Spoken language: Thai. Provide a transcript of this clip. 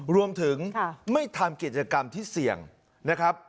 รวมถึงไม่ทำกิจกรรมที่เสี่ยงนะครับ